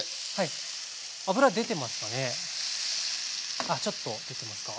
ああちょっと出てますか。